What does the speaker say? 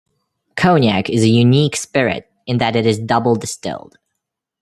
Cognac is a unique spirit in that it is double-distilled.